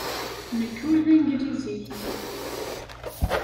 Nekk ur d Anglizi.